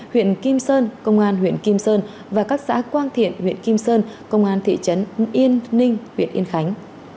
huyện kim sơn công an huyện kim sơn và các xã quang thiện huyện kim sơn công an thị trấn yên ninh huyện yên khánh